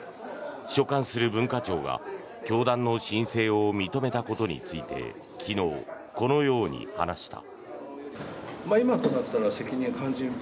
所管する文化庁が教団の申請を認めたことについて昨日、このように話した。